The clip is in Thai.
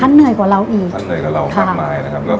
ทั้งเหนื่อยกว่าเราอีกทั้งเหนื่อยกว่าเราทำมาอีกนะครับ